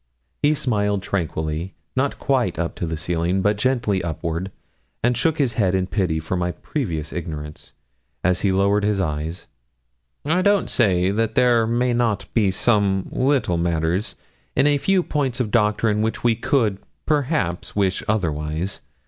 He smiled tranquilly, not quite up to the ceiling, but gently upward, and shook his head in pity for my previous ignorance, as he lowered his eyes 'I don't say that there may not be some little matters in a few points of doctrine which we could, perhaps, wish otherwise.